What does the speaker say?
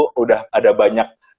sudah ada banyak